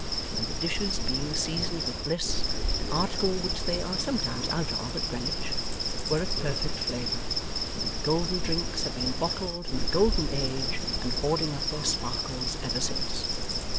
And the dishes being seasoned with Bliss an article which they are sometimes out of, at Greenwich were of perfect flavour, and the golden drinks had been bottled in the golden age and hoarding up their sparkles ever since.